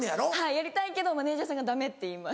やりたいけどマネジャーさんがダメって言います。